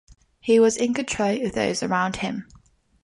He was in control of those around him.